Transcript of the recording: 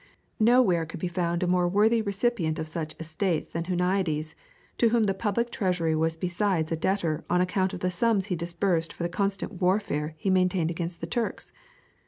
Now where could be found a more worthy recipient of such estates than Huniades, to whom the public treasury was besides a debtor on account of the sums he disbursed for the constant warfare he maintained against the Turks?